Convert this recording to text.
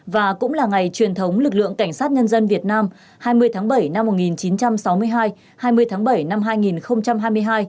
và cũng là ngày truyền thống lực lượng cảnh sát nhân dân việt nam hai mươi tháng bảy năm một nghìn chín trăm sáu mươi hai hai mươi tháng bảy năm hai nghìn hai mươi hai